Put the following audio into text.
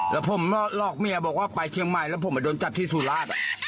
แล้วผมหลอกเมียบอกว่าไปเชียงใหม่แล้วผมมาโดนจับที่สุราช